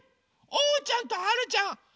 おうちゃんとはるちゃん！